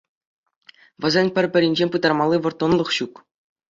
Вӗсен пӗр-пӗринчен пытармалли вӑрттӑнлӑх ҫук.